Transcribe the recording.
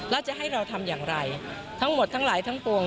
แล้วจะให้เราทำอย่างไรทั้งหมดทั้งหลายทั้งปวง